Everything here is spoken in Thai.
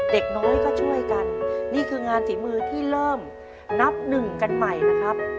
เด็กน้อยก็ช่วยกันนี่คืองานฝีมือที่เริ่มนับหนึ่งกันใหม่นะครับ